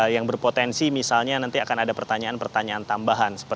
yang berpotensi misalnya nanti akan ada pertanyaan pertanyaan tambahan